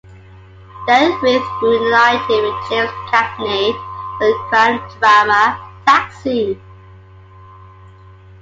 Del Ruth reunited with James Cagney for the crime drama Taxi!